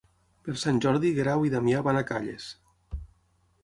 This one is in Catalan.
Per Sant Jordi en Guerau i en Damià van a Calles.